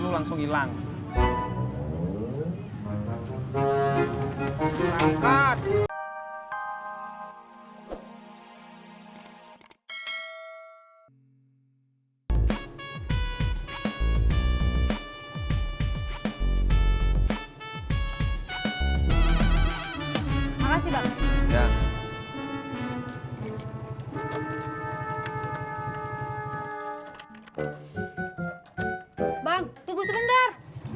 bang tunggu sebentar